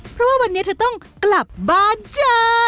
เพราะว่าวันนี้เธอต้องกลับบ้านจ้า